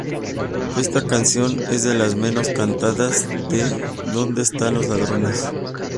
Esta canción es de las menos cantadas de ¿donde están los ladrones?